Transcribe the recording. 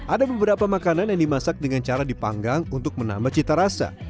ada beberapa makanan yang dimasak dengan cara dipanggang untuk menambah cita rasa